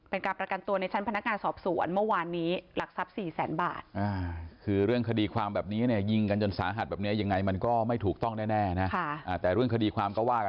เป็นการประกันตัวในช่างพนักงานสอบศวร